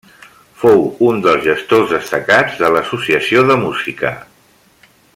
Fou un dels gestors destacats de l'Associació de Música.